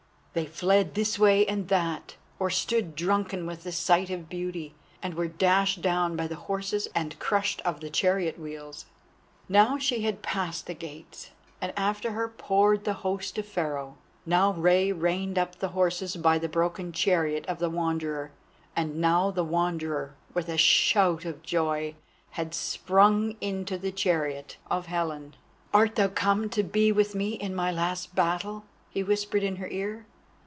They fled this way and that, or stood drunken with the sight of beauty, and were dashed down by the horses and crushed of the chariot wheels. Now she had passed the gates, and after her poured the host of Pharaoh. Now Rei reined up the horses by the broken chariot of the Wanderer, and now the Wanderer, with a shout of joy, had sprung into the chariot of Helen. "And art thou come to be with me in my last battle?" he whispered in her ear.